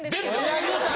いや言うた。